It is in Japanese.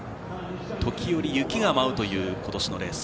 時折、雪が舞うという今年のレース。